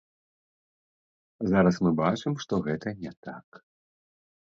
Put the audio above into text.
Зараз мы бачым, што гэта не так.